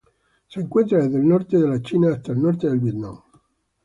Se encuentra desde el norte de la China hasta el norte del Vietnam.